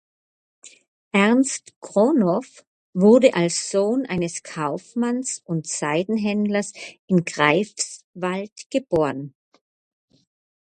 Ernst Gronow wurde als Sohn eines Kaufmanns und Seidenhändlers in Greifswald geboren.